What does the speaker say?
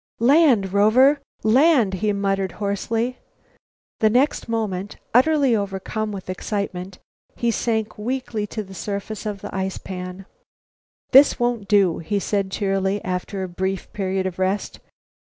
"Land, Rover, land!" he muttered hoarsely. The next moment, utterly overcome with excitement, he sank weakly to the surface of the ice pan. "This won't do," he said cheerily, after a brief period of rest.